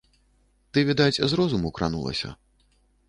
Ты, відаць, з розуму кранулася.